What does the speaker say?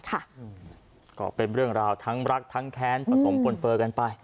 ก็เป็นเรื่องราวทั้งรักทั้งแค้นผสมปนเปลือกันไป